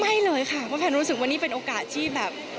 ไม่เลยค่ะเพราะแพนรู้สึกว่านี่เป็นโอกาสที่แบบ